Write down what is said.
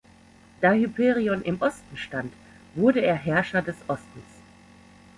Da Hyperion im Osten stand, wurde er Herrscher des Ostens.